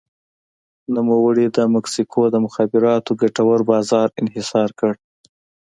نوموړي د مکسیکو د مخابراتو ګټور بازار انحصار کړ.